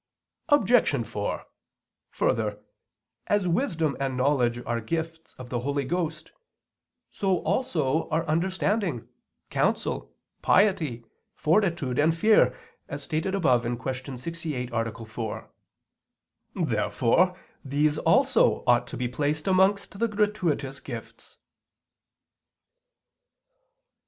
Obj. 4: Further, as wisdom and knowledge are gifts of the Holy Ghost, so also are understanding, counsel, piety, fortitude, and fear, as stated above (Q. 68, A. 4). Therefore these also ought to be placed amongst the gratuitous gifts.